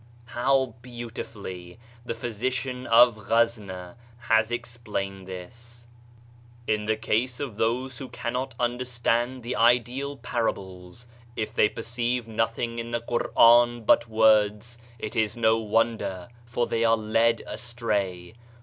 How beautifully the Physician of Ghaznah has explained this: "In the case of those who cannot understand the ideal parables; If they perceive nothing in the Quran but words. It i* no wonder for they are led astray.